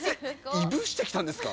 いぶしてきたんですか。